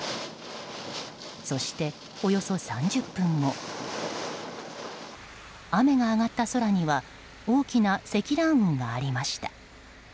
そして、およそ３０分後雨が上がった空には大きな積乱雲がありました。